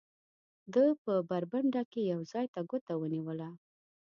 ده په برنډه کې یو ځای ته ګوته ونیوله.